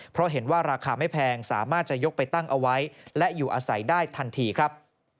เพราะเห็นว่าราคาไม่แพงสามารถจะยกไปตั้งเอาไว้และอยู่อาศัยได้ทันทีครับ